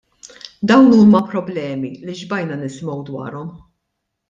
Dawn huma problemi li xbajna nisimgħu dwarhom.